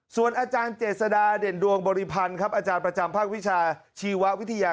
ส่วนอาจารย์เจษฎาเด่นดวงบริพันธ์ครับอาจารย์ประจำภาควิชาชีววิทยา